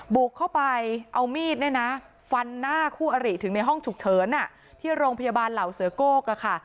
บุกเข้าไปเอามีดเนี่ยนะฟันหน้าคู่อริถึงในห้องฉุกเฉินที่โรงพยาบาลเหล่าเสือโก้กค่ะ